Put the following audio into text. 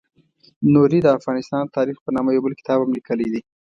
نوري د افغانستان تاریخ په نامه یو بل کتاب هم لیکلی دی.